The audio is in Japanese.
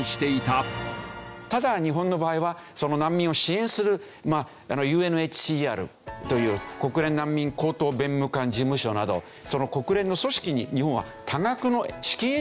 ただ日本の場合はその難民を支援するＵＮＨＣＲという国連難民高等弁務官事務所などその国連の組織に日本は多額の資金援助をしてるんですよ。